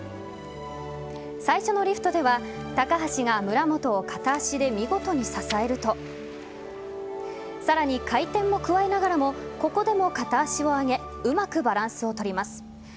最初のリフトでは高橋が村元を片足で見事に支えるとさらに回転も加えながらもここでも片足を上げうまくバランスをとります。